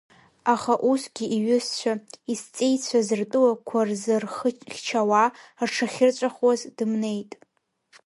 Аха усгьы иҩызцәа, изҵеицәаз ртәылақәа рзы рхы хьчауа, рҽахьырҵәахуаз дымнеит.